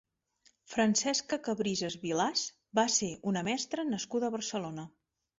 Francesca Cabrisses Vilàs va ser una mestra nascuda a Barcelona.